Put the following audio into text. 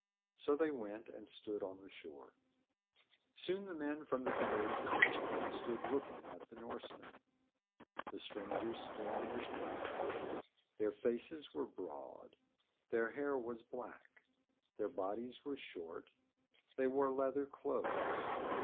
So they went and stood on the shore. Soon the men from the canoes landed and stood looking at the Norsemen. The strangers' skin was brown. Their faces were broad. Their hair was black. Their bodies were short. They wore leather clothes.